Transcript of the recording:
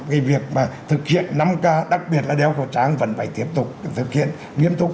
cái việc mà thực hiện năm k đặc biệt là đeo khẩu trang vẫn phải tiếp tục thực hiện nghiêm túc